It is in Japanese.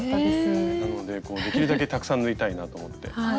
なのでできるだけたくさん縫いたいなと思って。